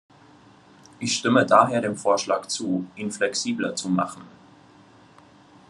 Ich stimme daher dem Vorschlag zu, ihn flexibler zu machen.